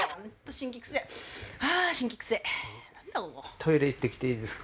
トイレ行ってきていいですか？